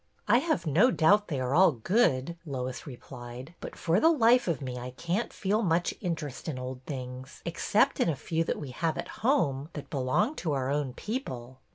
I have no doubt they are all good," Lois re plied, " but for the life of me I can't feel much interest in old things, except in a few we have at home that belonged to our own people."